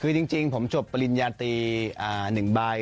คือจริงผมจบปริญญาตรี๑ใบ